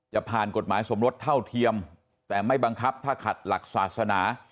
จะผ่านกฎหมายสมรสเท่าเทียมแต่ไม่บังคับถ้าขัดหลักศาสนา